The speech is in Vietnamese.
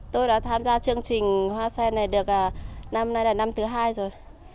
tôi đã tham gia chương trình hoa sen này được năm nay là năm thứ hai rồi